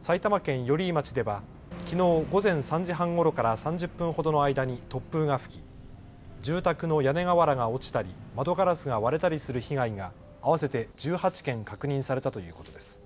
埼玉県寄居町ではきのう午前３時半ごろから３０分ほどの間に突風が吹き住宅の屋根瓦が落ちたり窓ガラスが割れたりする被害が合わせて１８件確認されたということです。